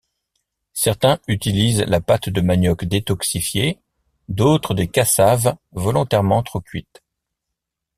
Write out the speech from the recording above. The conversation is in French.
Certaines utilisent la pâte de manioc détoxifiée, d'autres des cassaves volontairement trop cuites.